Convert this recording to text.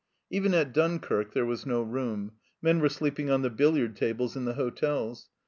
Even at Dunkirk there was no room ; men were sleeping on the billiard tables in the hotels.